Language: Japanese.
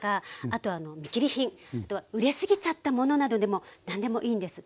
あとは熟れすぎちゃったものなどでも何でもいいんです。